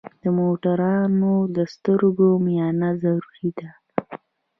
د موټروان د سترګو معاینه ضروري ده.